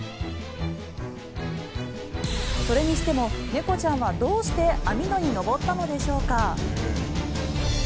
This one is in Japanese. それにしても、猫ちゃんはどうして網戸に登ったのでしょうか。